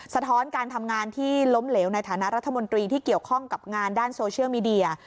ท้อนการทำงานที่ล้มเหลวในฐานะรัฐมนตรีที่เกี่ยวข้องกับงานด้านโซเชียลมีเดีย